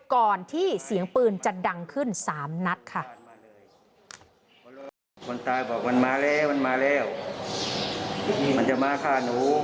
ก่อนที่เสียงปืนจะดังขึ้นสามนัดค่ะ